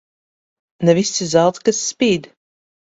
Ne viss ir zelts, kas spīd.